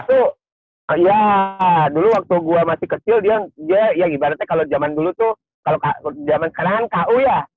coach eboz tuh ya dulu waktu gue masih kecil dia ibaratnya kalau zaman dulu tuh kalau zaman sekarang ku ya